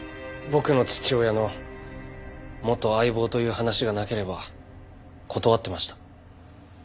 僕の父親の元相棒という話がなければ断ってました。